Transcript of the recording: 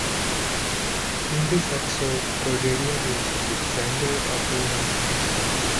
In this episode, Cordelia breaks up with Xander after her friends mock her.